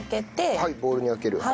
はいボウルにあける。